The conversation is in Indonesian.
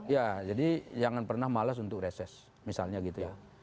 ya jadi jangan pernah malas untuk reses misalnya gitu ya